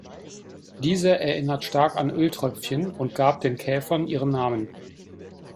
Diese erinnert stark an Öltröpfchen und gab den Käfern ihren Namen.